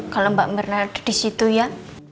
kalau mbak mirna ada disitu ya